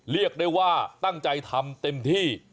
เรียกได้ว่าตั้งใจทำเต็มที่